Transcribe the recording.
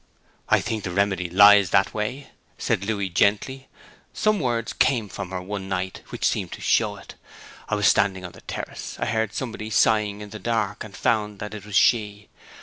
'I think the remedy lies that way,' said Louis gently. 'Some words came from her one night which seemed to show it. I was standing on the terrace: I heard somebody sigh in the dark, and found that it was she.